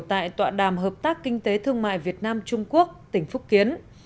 tại tọa đàm hợp tác kinh tế thương mại việt nam trung quốc tỉnh phúc kiến